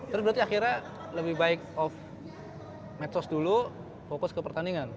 terus berarti akhirnya lebih baik of medsos dulu fokus ke pertandingan